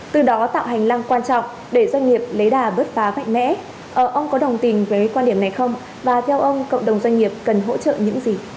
từ đó tạo hành lang quan trọng để doanh nghiệp lấy đà bứt phá mạnh mẽ ông có đồng tình với quan điểm này không và theo ông cộng đồng doanh nghiệp cần hỗ trợ những gì